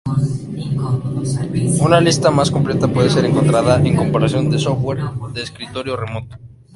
Una lista más completa puede ser encontrada en: Comparación de software de escritorio remoto